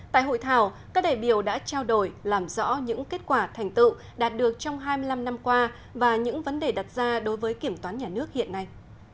tại hội thảo các đại biểu đã trao đổi làm rõ những kết quả thành tựu đạt được trong hai mươi năm năm qua và những vấn đề đặt ra đối với kiểm toán nhà nước hiện nay